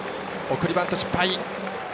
送りバント、失敗。